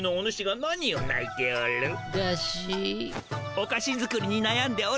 おかし作りになやんでおるの？